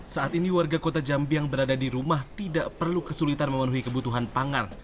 saat ini warga kota jambi yang berada di rumah tidak perlu kesulitan memenuhi kebutuhan pangan